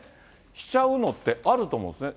しちゃうのってあると思うんですね。